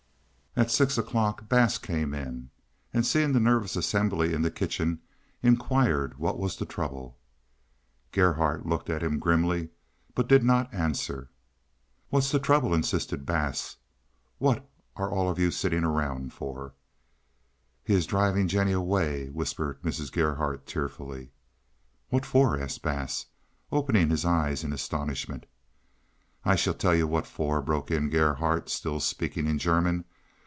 At six o'clock Bass came in, and seeing the nervous assembly in the kitchen, inquired what the trouble was. Gerhardt looked at him grimly, but did not answer. "What's the trouble?" insisted Bass. "What are you all sitting around for?" "He is driving Jennie away," whispered Mrs. Gerhardt tearfully. "What for?" asked Bass, opening his eyes in astonishment. "I shall tell you what for," broke in Gerhardt, still speaking in German.